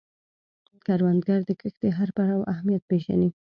کروندګر د کښت د هر پړاو اهمیت پېژني